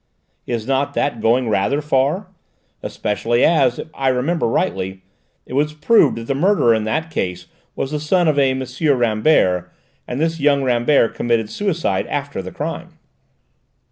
Is not that going rather far? Especially as, if I remember rightly, it was proved that the murderer in that case was the son of a M. Rambert, and this young Rambert committed suicide after the crime?"